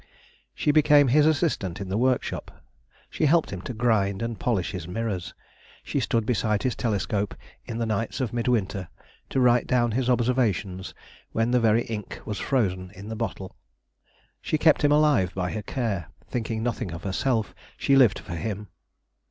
She became his assistant in the workshop; she helped him to grind and polish his mirrors; she stood beside his telescope in the nights of midwinter, to write down his observations, when the very ink was frozen in the bottle. She kept him alive by her care; thinking nothing of herself, she lived for him.